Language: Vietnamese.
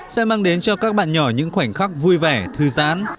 sẽ mang đến cho các bạn nhỏ những khoảnh khắc vui vẻ thư giãn